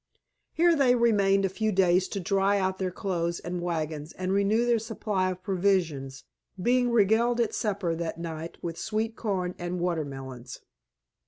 Here they remained a few days to dry out their clothes and wagons and renew their supply of provisions, being regaled at supper that night with sweet corn and watermelons.